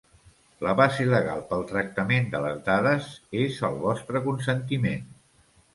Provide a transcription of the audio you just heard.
La base legal pel tractament de les dades és el vostre consentiment.